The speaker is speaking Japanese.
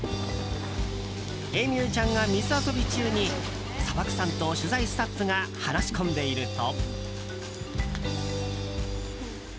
エミューちゃんが水遊び中に砂漠さんと取材スタッフが話し込んでいると。